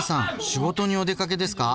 仕事にお出かけですか。